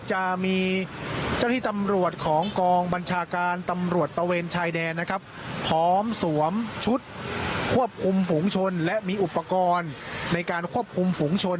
จะมีเจ้าหน้าที่ตำรวจของกองบัญชาการตำรวจตะเวนชายแดนนะครับพร้อมสวมชุดควบคุมฝูงชนและมีอุปกรณ์ในการควบคุมฝุงชน